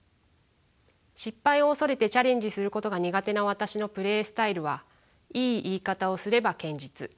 失敗を恐れてチャレンジすることが苦手な私のプレースタイルはいい言い方をすれば堅実。